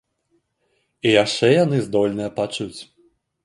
І яшчэ яны здольныя пачуць.